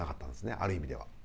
ある意味では。